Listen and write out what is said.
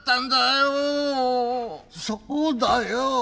そうだよ！